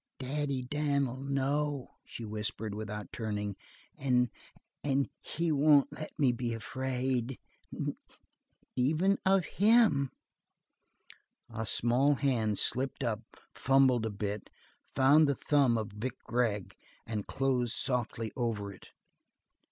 "Daddy Dan'll know," she whispered without turning. "And and he won't let me be afraid even of him!" A small hand slipped up, fumbled a bit, found the thumb of Vic Gregg, and closed softly over it.